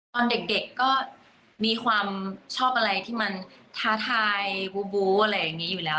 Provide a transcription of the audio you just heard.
ตอนเด็กก็มีความชอบอะไรที่มันท้าทายบูบูอะไรอย่างนี้อยู่แล้ว